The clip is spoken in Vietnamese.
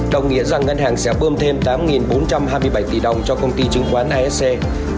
đồng nghĩa rằng ngân hàng sẽ bơm thêm tám bốn trăm hai mươi bảy tỷ đồng cho công ty chứng khoán asc